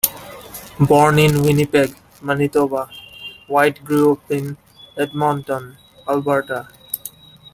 Born in Winnipeg, Manitoba, Whyte grew up in Edmonton, Alberta.